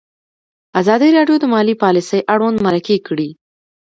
ازادي راډیو د مالي پالیسي اړوند مرکې کړي.